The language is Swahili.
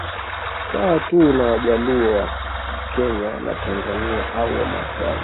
Sawa tu na wajaluo wa kenya na tanzania au wamasai